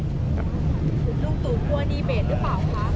คุณลูกสู่กลัวนีเบรดหรือเปล่าคะ